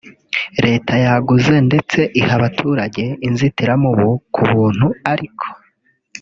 Leta yaguze ; ndetse iha abaturage inzitiramubu ku buntu ; ariko